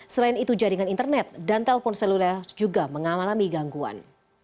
selain itu jaringan internet dan telpon seluler juga mengalami gangguan